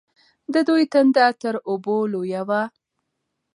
د دوی تنده تر اوبو لویه وه.